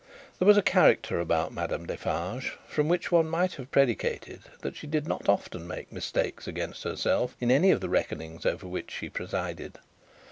There was a character about Madame Defarge, from which one might have predicated that she did not often make mistakes against herself in any of the reckonings over which she presided.